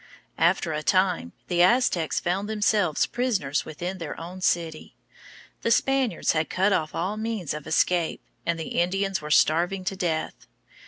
After a time the Aztecs found themselves prisoners within their own city. The Spaniards had cut off all means of escape, and the Indians were starving to death.